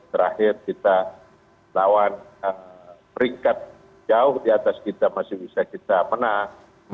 terakhir kita lawan peringkat jauh di atas kita masih bisa kita menang